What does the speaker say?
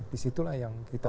di situlah yang kita